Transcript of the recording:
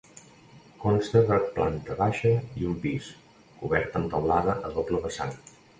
Consta de planta baixa i un pis, cobert amb teulada a doble vessant.